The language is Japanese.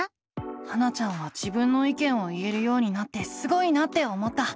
ハナちゃんは自分の意見を言えるようになってすごいなって思った。